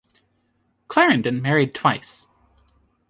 Clarendon married twice.